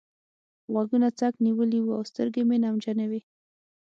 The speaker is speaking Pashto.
غوږونه څک نيولي وو او سترګې مې نمجنې وې.